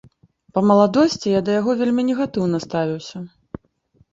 Па маладосці я да яго вельмі негатыўна ставіўся.